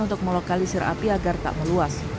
untuk melokalisir api agar tak meluas